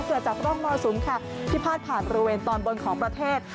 เกิดจากร่องมรสุมค่ะที่พาดผ่านบริเวณตอนบนของประเทศ